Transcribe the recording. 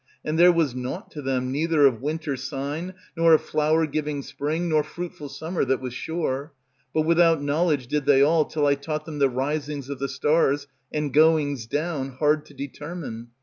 And there was naught to them, neither of winter sign, Nor of flower giving spring, nor fruitful Summer, that was sure; but without knowledge Did they all, till I taught them the risings Of the stars, and goings down, hard to determine.